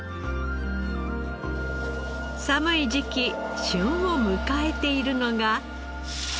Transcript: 寒い時期旬を迎えているのが。